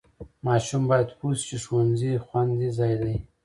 ماشوم باید پوه شي چې ښوونځي خوندي ځای دی.